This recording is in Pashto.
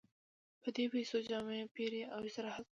په دې پیسو جامې پېري او استراحت کوي